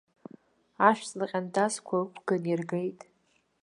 Ашә-ҵла ҟьантазқәа ықәган иргеит.